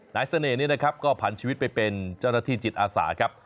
เสน่ห์นี้นะครับก็ผ่านชีวิตไปเป็นเจ้าหน้าที่จิตอาสาครับ